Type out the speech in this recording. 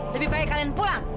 lebih baik kalian pulang